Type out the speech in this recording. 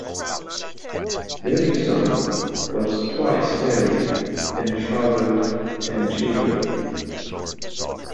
Derickson was twice married and fathered ten children.